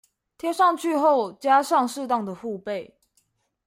貼上去後加上適當的護貝